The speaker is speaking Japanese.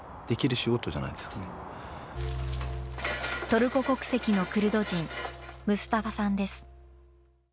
トルコ国籍のクルド人、ムスタファさんです。